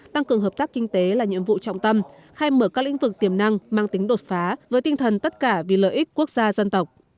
tăng cường hợp tác kinh tế là nhiệm vụ trọng tâm khai mở các lĩnh vực tiềm năng mang tính đột phá với tinh thần tất cả vì lợi ích quốc gia dân tộc